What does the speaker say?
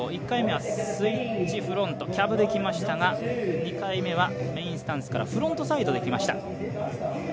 １回目はスイッチフロント、キャブできましたが２回目はメインスタンスからフロントサイドできました。